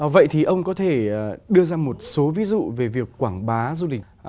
vậy thì ông có thể đưa ra một số ví dụ về việc quảng bá du lịch ạ